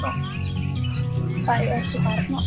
pak ion soekarno